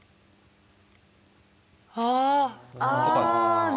ああ。